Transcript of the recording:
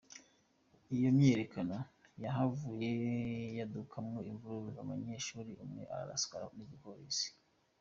Iyo myiyerekano yahavuye yadukamwo imvururu, umunyeshuli umwe araraswa n'igipolisi.